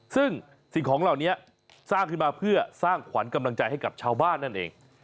ซึ่งสิ่งของเหล่านี้สร้างขึ้นมาเพื่อสร้างขวัญกำลังใจให้กับชาวบ้านนั่นเอง